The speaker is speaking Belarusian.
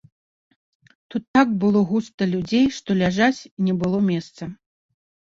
Тут так было густа людзей, што ляжаць не было месца.